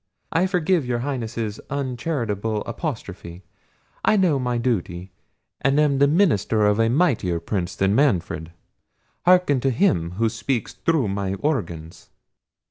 I forgive your Highness's uncharitable apostrophe; I know my duty, and am the minister of a mightier prince than Manfred. Hearken to him who speaks through my organs."